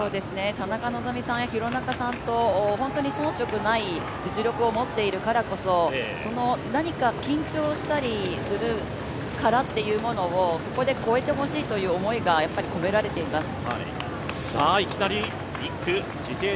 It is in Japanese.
田中希実さんや廣中さんと本当に遜色ない実力を持っているからこそ、何か緊張したりする殻というものをここで超えてほしいという思いが込められています。